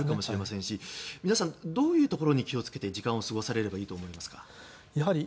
皆さん、どういうところに気を付けて時間を過ごされればいいと思いますか。